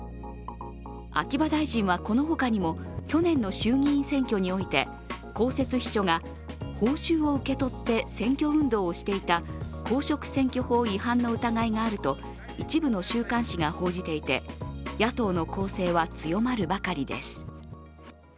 秋葉大臣はこの他にも去年の衆議院選挙において、公設秘書が報酬を受け取って選挙運動をしていた公職選挙法違反の疑いがあると一部の週刊誌が報じていて野党の攻勢は強まるばかりです。